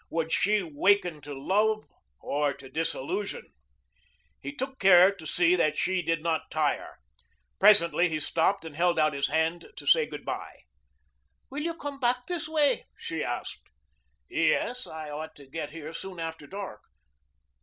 Would she waken to love or to disillusion? He took care to see that she did not tire. Presently he stopped and held out his hand to say good bye. "Will you come back this way?" she asked. "Yes. I ought to get here soon after dark.